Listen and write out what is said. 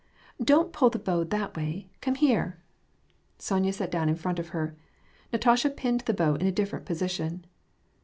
Don't put the bow that way, come here !" Sonya sat down in front of her. Natasha pinned the bow in a different position.